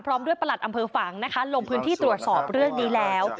พร้อมด้วยประหลัดอำเภอฝังนะคะลงพื้นที่ตรวจสอบเรื่องนี้แล้ว